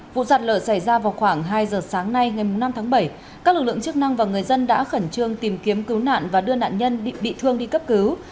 vụ sạt lở xảy ra vào khoảng hai giờ sáng nay ngày năm tháng bảy các lực lượng chức năng và người dân đã khẩn trương tìm kiếm cứu nạn và đưa nạn nhân bị thương đi cấp cứu